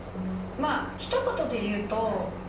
まあ一言で言うと。